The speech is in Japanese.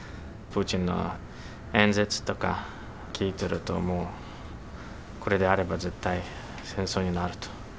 プーチンの演説とか聞いてると、もう、これであれば絶対戦争になると。